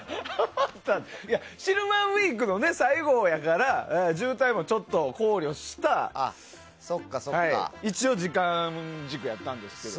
シルバーウィークの最後やから渋滞もちょっと考慮した一応、その時間軸やったんですけど。